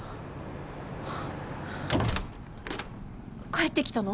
帰ってきたの？